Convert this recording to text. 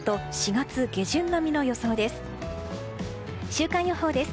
週間予報です。